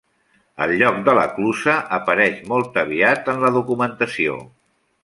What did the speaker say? El lloc de la Clusa apareix molt aviat en la documentació.